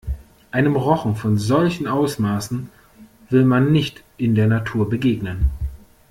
Einem Rochen von solchen Ausmaßen will man nicht in der Natur begegnen.